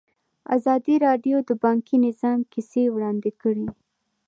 ازادي راډیو د بانکي نظام کیسې وړاندې کړي.